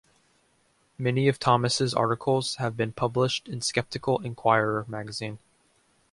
Many of Thomas' articles have been published in Skeptical Inquirer magazine.